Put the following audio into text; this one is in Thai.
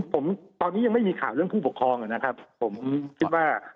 ผมตอนนี้ยังไม่มีข่าวเรื่องผู้ปกครองนะครับผมคิดว่า